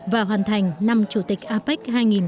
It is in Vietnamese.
và hoàn thành năm chủ tịch apec hai nghìn một mươi bảy